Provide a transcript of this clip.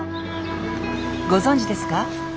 ご存じですか？